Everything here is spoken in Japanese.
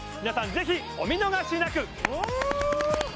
ぜひお見逃しなく！